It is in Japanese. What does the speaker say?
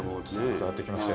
伝わってきましたよね。